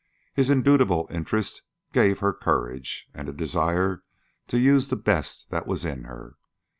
His indubitable interest gave her courage, and a desire to use the best that was in her.